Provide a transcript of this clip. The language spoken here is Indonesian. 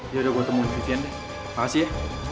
ya udah gue temuin sekian deh makasih ya